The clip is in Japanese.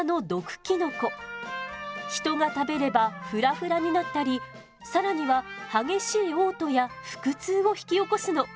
人が食べればふらふらになったり更には激しいおう吐や腹痛を引き起こすの。